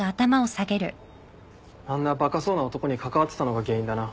あんなバカそうな男に関わってたのが原因だな。